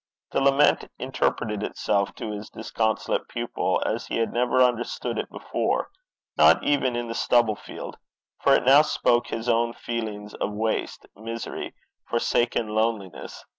The lament interpreted itself to his disconsolate pupil as he had never understood it before, not even in the stubble field; for it now spoke his own feelings of waste misery, forsaken loneliness.